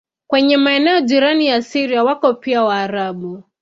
Kwenye maeneo jirani na Syria wako pia Waarabu.